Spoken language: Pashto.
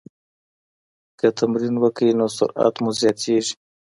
که تمرین وکړئ نو سرعت مو زیاتیږي.